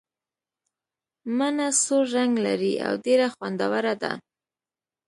مڼه سور رنګ لري او ډېره خوندوره ده.